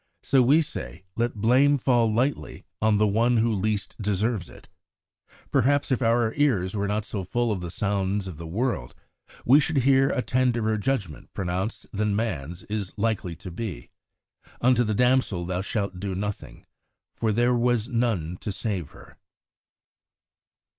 So we say, let blame fall lightly on the one who least deserves it. Perhaps if our ears were not so full of the sounds of the world, we should hear a tenderer judgment pronounced than man's is likely to be: "Unto the damsel thou shalt do nothing. ... For there was none to save her."